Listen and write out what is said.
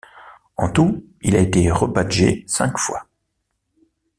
En tout, il a été rebadgé cinq fois.